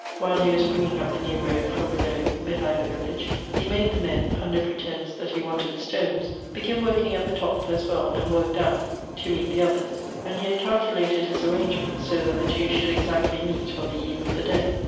While he was bringing up the new road fi om below behind the village, he made the men, under pretence that he wanted stones, begin working at the top as well, and work down, to meet the others ; and he had calculated his arrangements so that the two should exactly meet on the eve of the day.